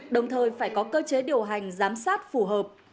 đồng thời phải có cơ chế điều hành giám sát phù hợp